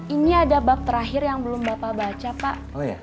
ini ada bak terakhir yang belum bapak baca pak